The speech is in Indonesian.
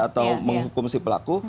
atau menghukum si pelaku